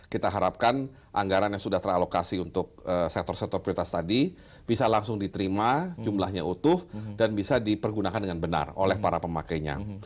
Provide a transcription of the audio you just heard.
kita harapkan anggaran yang sudah teralokasi untuk sektor sektor prioritas tadi bisa langsung diterima jumlahnya utuh dan bisa dipergunakan dengan benar oleh para pemakainya